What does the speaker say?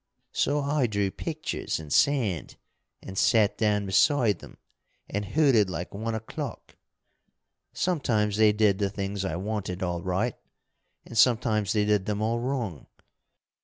So I drew pictures in sand and sat down beside them and hooted like one o'clock. Sometimes they did the things I wanted all right, and sometimes they did them all wrong.